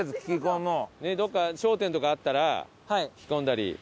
どこか商店とかあったら聞き込んだり。